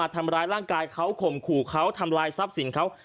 ทำร้ายร่างกายเขาข่มขู่เขาทำลายทรัพย์สินเขา